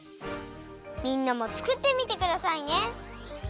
みんなもつくってみてくださいね。